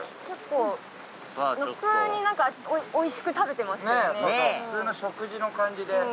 結構普通になんか美味しく食べてますけどね。ねぇ普通の食事の感じで。